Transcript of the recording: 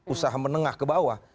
usaha menengah ke bawah